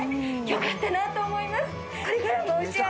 よかったなと思います